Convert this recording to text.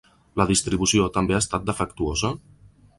La distribució també ha estat defectuosa?